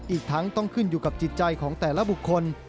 อีกทั้งต้องขึ้นอยู่กับจิตใจของแต่ละบุคคล